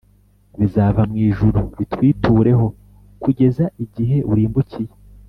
Bizava mu ijuru bikwitureho kugeza igihe urimbukiye.